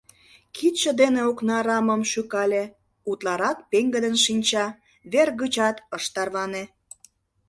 Кидше дене окна рамым шӱкале — утларак пеҥгыдын шинча, вер гычат ыш тарване.